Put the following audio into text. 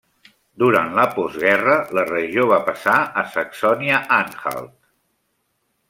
Durant la postguerra, la regió va passar a Saxònia-Anhalt.